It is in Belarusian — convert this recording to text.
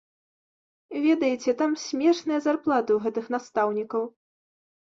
Ведаеце, там смешныя зарплаты ў гэтых настаўнікаў.